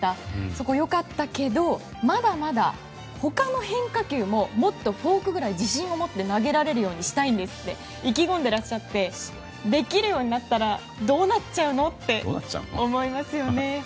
そこ、良かったけどまだまだ他の変化球ももっとフォークぐらい自信を持って投げられるようにしたいんですと意気込んでらっしゃってできるようになったらどうなっちゃうの？って思いますよね。